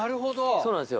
そうなんですよ。